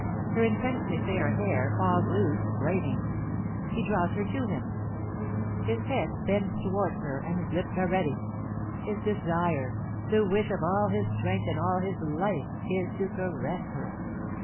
Her intensely fair hair falls loose, flaming. He draws her to him. His head bends towards her, and his lips are ready. His desire the wish of all his strength and all his life is to caress her.